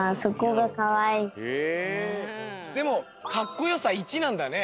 でも「かっこよさ１」なんだね。